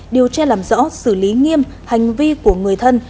điều tra làm rõ xử lý nghiêm hành vi của người thân